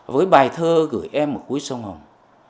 với bài thơ gửi em ở cuối sông hồng